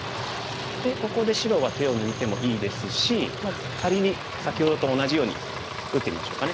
ここで白は手を抜いてもいいですし仮に先ほどと同じように打ってみましょうかね。